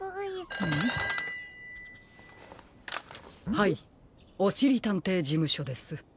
☎はいおしりたんていじむしょです。